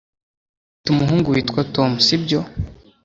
Ufite umuhungu witwa Tom sibyo